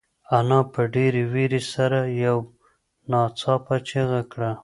انا په ډېرې وېرې سره یو ناڅاپه چیغه کړه.